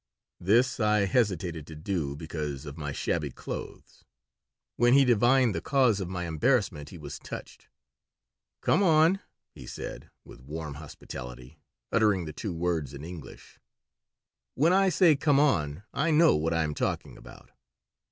This I hesitated to do because of my shabby clothes. When he divined the cause of my embarrassment he was touched "Come on!' he said, with warm hospitality, uttering the two words in English. "When I say 'Come on' I know what I am talking about."